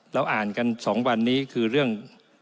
เราอ่านกัน๒วันนี้คือเรื่อง